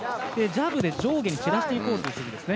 ジャブで上下に散らしていこうと。